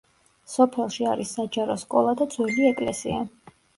სოფელში არის საჯარო სკოლა და ძველი ეკლესია.